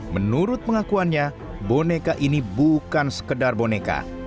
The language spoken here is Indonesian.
menurut pengakuannya boneka ini bukan sekedar boneka